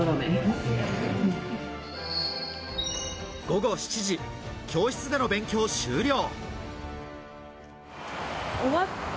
午後７時、教室での勉強終了。